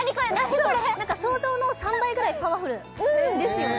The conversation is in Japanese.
そう想像の３倍ぐらいパワフルですよね？